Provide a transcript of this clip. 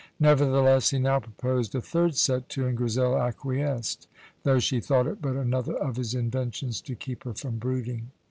Nevertheless, he now proposed a third set to, and Grizel acquiesced, though she thought it but another of his inventions to keep her from brooding.